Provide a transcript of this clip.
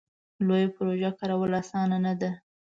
لویه پروژه کارول اسانه نه ده.